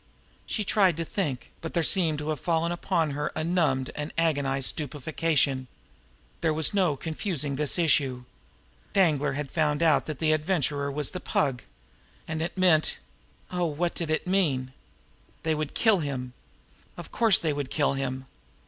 She tried to think, but there seemed to have fallen upon her a numbed and agonized stupefaction. There was no confusing this issue. Danglar had found out that the Adventurer was the Pug. And it meant oh, what did it mean? They would kill him. Of course, they would kill him!